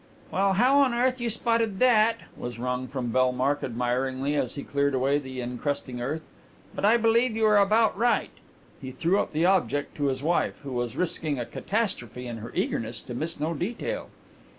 "Well, how on earth you spotted that !" was wrung from Bellmark admiringly, as he cleared away the encrusting earth. "But I believe you are about right." He threw up the object to his wife, who was risking a catastrophe in her eagerness to miss no detail.